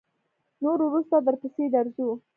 نور وروسته درپسې درځو.